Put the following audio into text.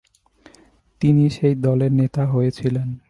তিনি সেই দলের নেতা হয়েছিলেন।